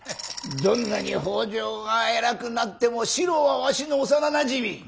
どんなに北条が偉くなっても四郎はわしの幼なじみ。